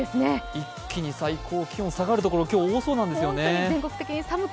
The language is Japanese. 一気に最高気温が下がる所が今日は多そうですよね。